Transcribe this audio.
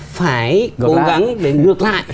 phải cố gắng để ngược lại